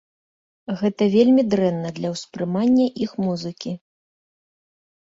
Гэта вельмі дрэнна для ўспрымання іх музыкі.